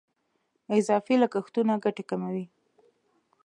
اضافي لګښتونه ګټه کموي.